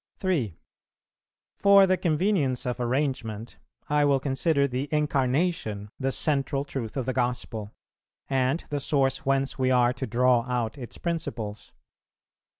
3. For the convenience of arrangement, I will consider the Incarnation the central truth of the gospel, and the source whence we are to draw out its principles.